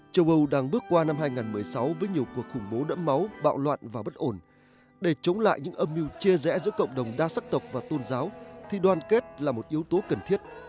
châu âu đang bước qua năm hai nghìn một mươi sáu với nhiều cuộc khủng bố đẫm máu bạo loạn và bất ổn để chống lại những âm mưu chia rẽ giữa cộng đồng đa sắc tộc và tôn giáo thì đoàn kết là một yếu tố cần thiết